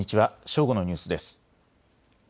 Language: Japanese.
正午のニュースです。